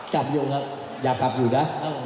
กลับอยู่ล่ะอยากกลับอยู่ครับ